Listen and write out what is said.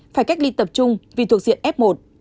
phải cách ly tập trung vì thuộc diện f một